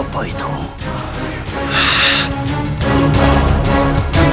tuah tak ada sama sekali